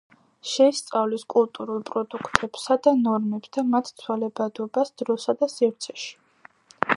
შეისწავლის კულტურულ პროდუქტებსა და ნორმებს და მათ ცვალებადობას დროსა და სივრცეში.